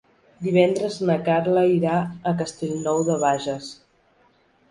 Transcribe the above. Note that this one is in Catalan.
Divendres na Carla irà a Castellnou de Bages.